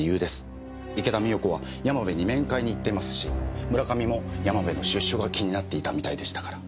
池田美代子は山部に面会に行っていますし村上も山部の出所が気になっていたみたいでしたから。